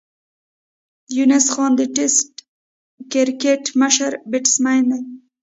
یونس خان د ټېسټ کرکټ مشر بېټسمېن دئ.